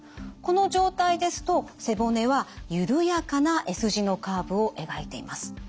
この状態ですと背骨はゆるやかなＳ字のカーブを描いています。